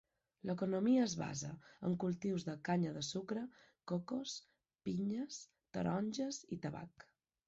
L'economia es basa en cultius de canya de sucre, cocos, pinyes, taronges i tabac.